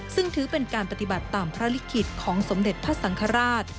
ซึ่งถือเป็นการปฏิบัติตามพระลิขิตของสมเด็จพระสังฆราช